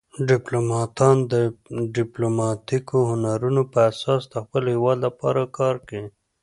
ډیپلوماتان د ډیپلوماتیکو هنرونو په اساس د خپل هیواد لپاره کار کوي